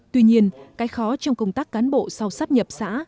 tuy nhiên cái khó trong công tác cán bộ sau sắp nhập xã